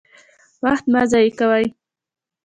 وخت مه ضایع کوئ